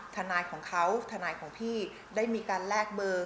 ทนายของเขาทนายของพี่ได้มีการแลกเบอร์